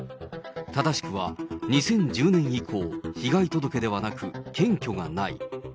正しくは、２０１０年以降、被害届ではなく検挙がない。